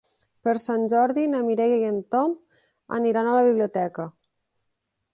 Per Sant Jordi na Mireia i en Tom aniran a la biblioteca.